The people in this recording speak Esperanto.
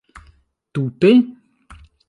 Tute?